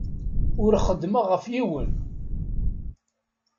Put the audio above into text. Ur xeddmeɣ ɣef yiwen.